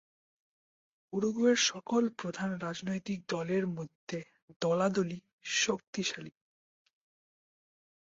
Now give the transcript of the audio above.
উরুগুয়ের সকল প্রধান রাজনৈতিক দলের মধ্যে দলাদলি শক্তিশালী।